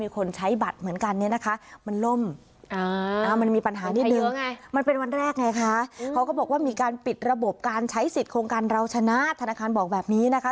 การปิดระบบการใช้สิทธิ์โครงการเราชนะธนาคารบอกแบบนี้นะคะ